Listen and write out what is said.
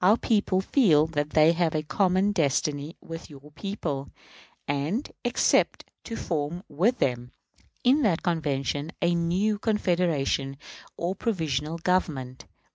Our people feel that they have a common destiny with your people, and expect to form with them, in that Convention, a new Confederation and Provisional Government.